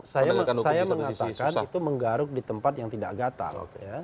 saya mengatakan itu menggaruk di tempat yang tidak gatal